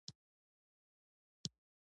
کیمیاګر د پاولو کویلیو د نبوغ نښه ده.